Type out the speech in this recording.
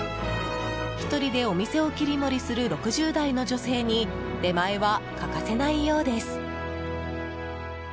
１人でお店を切り盛りする６０代の女性に出前は欠かせないようです。